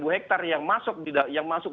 satu hektare yang masuk